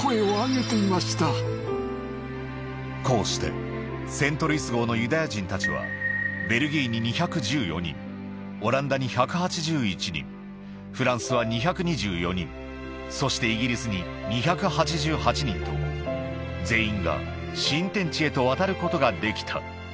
こうして、セントルイス号のユダヤ人たちは、ベルギーに２１４人、オランダに１８１人、フランスは２２４人、そしてイギリスに２８８人と、全員が新天地へと渡ることができた。